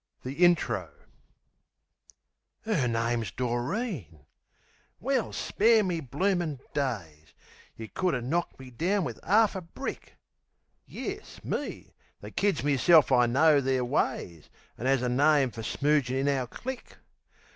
The Intro 'Er name's Doreen ...Well spare me bloomin' days! You could er knocked me down wiv 'arf a brick! Yes, me, that kids meself I know their ways, An' 'as a name for smoogin' in our click!